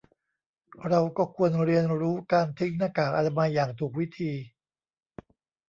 เราก็ควรเรียนรู้การทิ้งหน้ากากอนามัยอย่างถูกวิธี